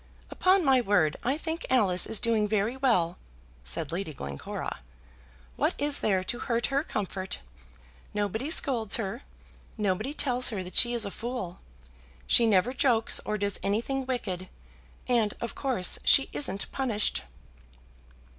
"Upon my word I think Alice is doing very well," said Lady Glencora. "What is there to hurt her comfort? Nobody scolds her. Nobody tells her that she is a fool. She never jokes, or does anything wicked, and, of course, she isn't punished."